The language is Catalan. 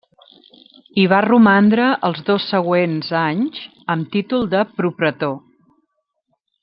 Hi va romandre els dos següents anys amb títol de propretor.